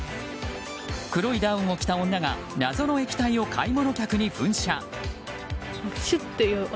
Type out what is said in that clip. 黒いダウンを着た女が謎の液体を買い物客に噴射。